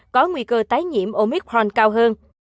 có nguy cơ tái nhiễm omicron cao hơn